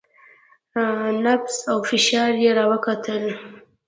نبض او فشار يې راوکتل.